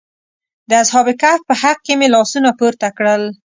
د اصحاب کهف په حق کې مې لاسونه پورته کړل.